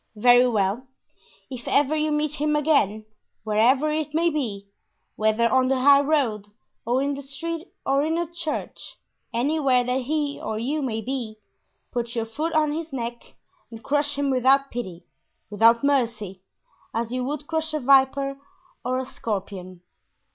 "Very well; if ever you meet him again, wherever it may be, whether on the high road or in the street or in a church, anywhere that he or you may be, put your foot on his neck and crush him without pity, without mercy, as you would crush a viper or a scorpion!